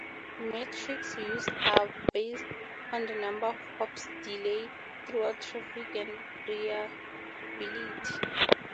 Metrics used are based on the number of hops, delay, throughput, traffic, and reliability.